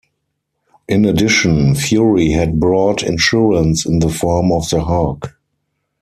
In addition, Fury had brought insurance in the form of the Hulk.